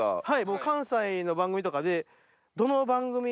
僕関西の番組とかで。